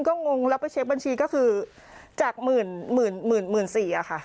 ก็งงแล้วไปเช็คบัญชีก็คือจากหมื่นหมื่นหมื่นหมื่นสี่